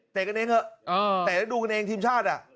กันเองเถอะเตะแล้วดูกันเองทีมชาติอ่ะ